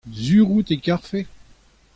sur out e karfe.